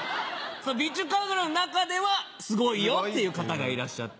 備中神楽の中ではすごいよっていう方がいらっしゃって。